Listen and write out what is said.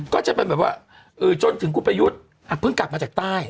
ก็จะเป็นแบบว่าจนถึงคุณประยุทธ์เพิ่งกลับมาจากใต้